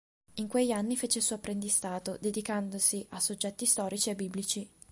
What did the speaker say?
In quegli anni fece il suo apprendistato, dedicandosi a soggetti storici e biblici.